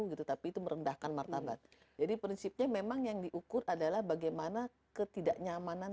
gitu tapi itu merendahkan martabat jadi prinsipnya memang yang diukur adalah bagaimana ketidaknyamanan